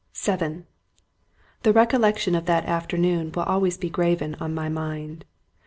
VII The recollection of that afternoon will always be graven on my mind.